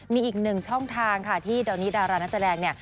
มีอีกหนึ่งช่องทางค่ะที่ตอนนี้ดารานักแสดงเนี่ย